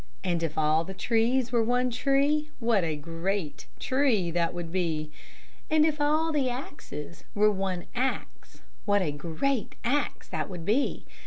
And if all the trees were one tree, What a great tree that would be! And if all the axes were one axe, What a great axe that would be!